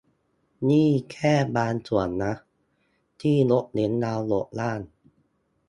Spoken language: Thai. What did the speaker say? นี่แค่บางส่วนนะ ที่ยกเว้น ดาวน์โหลดร่าง